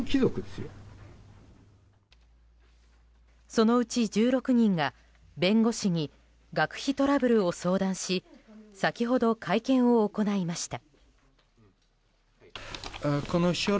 そのうち１６人が弁護士に学費トラブルを相談し先ほど会見を行いました。